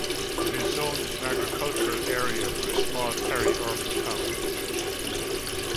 It is zoned as an agricultural area, with a small peri-urban town.